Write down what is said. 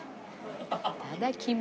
いただきます。